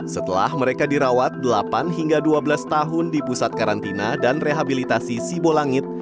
setelah mereka dirawat delapan hingga dua belas tahun di pusat karantina dan rehabilitasi sibolangit